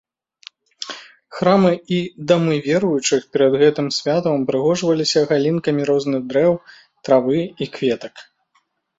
Храмы і дамы веруючых перад гэтым святам упрыгожваліся галінкамі розных дрэў, травы і кветак.